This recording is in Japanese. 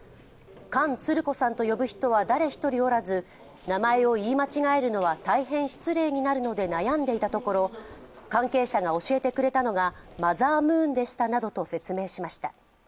「かんつるこさん」と呼ぶ人は誰一人おらず名前を言い間違えるのは大変失礼になるので悩んでいたところ関係者が教えてくれたのがマザームーンでしたなどと説明しました。